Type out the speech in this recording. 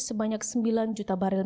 sebanyak sembilan juta barel